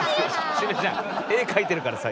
シュウペイちゃん絵描いてるからさ